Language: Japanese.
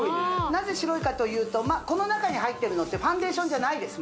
なぜ白いかというとこの中に入ってるのってファンデーションじゃないです